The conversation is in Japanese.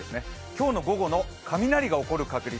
今日の午後の雷が起こる確率